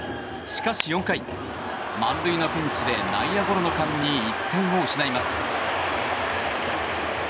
しかし４回満塁のピンチで内野ゴロの間に１点を失います。